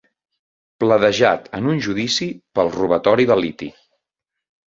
Pledejat en un judici pel robatori de liti.